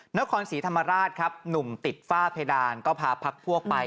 นครศรีธรรมราชครับหนุ่มติดฝ้าเพดานก็พาพักพวกไป